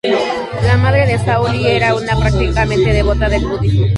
La madre de Shao, Li, era una practicante devota del Budismo.